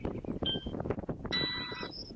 د ښځو تعلیم د دین غوښتنه ده.